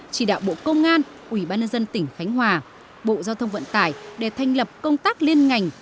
chỉ đạo bộ công an ủy ban nhân dân tỉnh khánh hòa bộ giao thông vận tải để thành lập công tác liên ngành